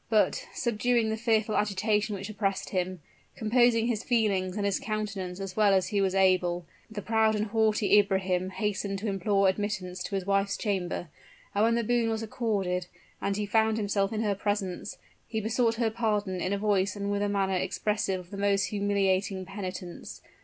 But, subduing the fearful agitation which oppressed him composing his feelings and his countenance as well as he was able, the proud and haughty Ibrahim hastened to implore admittance to his wife's chamber, and when the boon was accorded, and he found himself in her presence, he besought her pardon in a voice and with a manner expressive of the most humiliating penitence.